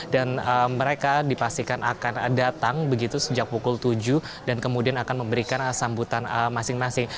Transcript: dan mereka dipastikan akan datang begitu sejak pukul tujuh dan kemudian akan memberikan sambutan masing masing